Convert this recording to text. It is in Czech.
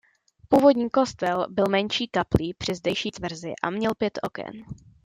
Původní kostel byl menší kaplí při zdejší tvrzi a měl pět oken.